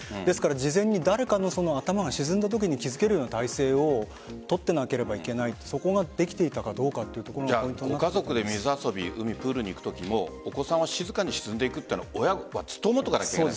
事前に誰かの頭が沈んだときに気づけるような体制を取っていなければいけないというところができていたかどうかというところが家族で水遊びプールに行くときもお子さんは静かに沈んでいくのは親はずっと思っておかなきゃいけない。